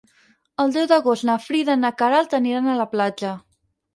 El deu d'agost na Frida i na Queralt aniran a la platja.